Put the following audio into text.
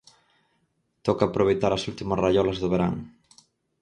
Toca aproveitar as últimas raiolas do verán.